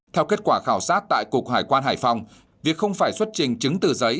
theo kết quả khảo sát tại cục hải quan hải phòng việc không phải xuất trình chứng từ giấy